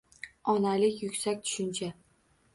Onalik yuksak tushuncha.